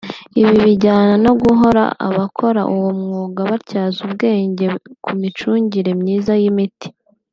Ibi bijyana no guhora abakora uwo mwuga batyaza ubwenge ku micungire myiza y’imiti